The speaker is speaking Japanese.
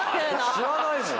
知らないもん。